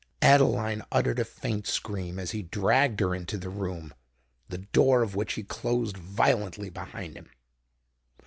Adeline uttered a faint scream, as he dragged her into the room, the door of which he closed violently behind him.